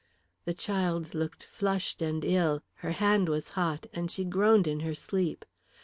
The child looked flushed and ill, her hand was hot, and she groaned in her sleep.